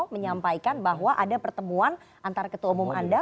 menyampaikan bahwa ada pertemuan antara ketua umum anda